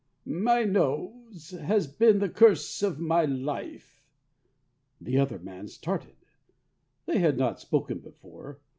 "My nose has been the curse of my life." The other man started. They had not spoken before.